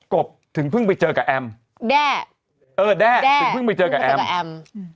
บถึงเพิ่งไปเจอกับแอมแด้เออแด้แด้ถึงเพิ่งไปเจอกับแอมกับแอม